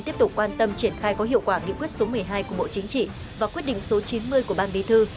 tiếp tục quan tâm triển khai có hiệu quả nghị quyết số một mươi hai của bộ chính trị và quyết định số chín mươi của ban bí thư